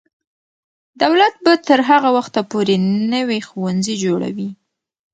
دولت به تر هغه وخته پورې نوي ښوونځي جوړوي.